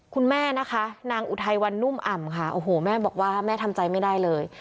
คุณแม่นะคะนางอุทัยวันนุ่มอ่ำค่ะโอ้โหแม่บอกว่าแม่ทำใจไม่ได้เลย